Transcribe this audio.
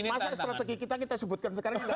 masa strategi kita kita sebutkan sekarang juga